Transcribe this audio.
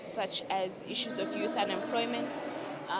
seperti masalah yang terjadi di indonesia